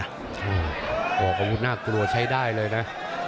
โอ้โหกระพุทธน่ากลัวใช้ได้เลยนะ